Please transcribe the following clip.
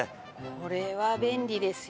これは便利ですよ。